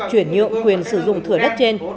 chuyển nhượng quyền sử dụng thửa đất trên